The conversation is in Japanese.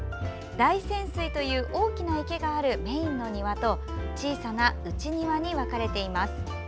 大泉水という大きな池があるメインの庭と小さな内庭に分かれています。